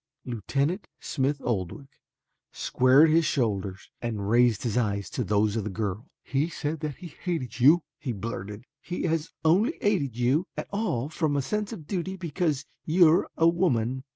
Lieutenant Smith Oldwick squared his shoulders and raised his eyes to those of the girl. "He said that he hated you," he blurted. "He has only aided you at all from a sense of duty because you are a woman."